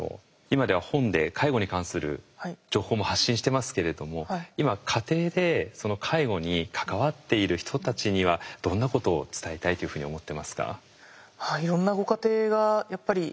今では本で介護に関する情報も発信してますけれども今家庭で介護に関わっている人たちにはどんなことを伝えたいというふうに思ってますか？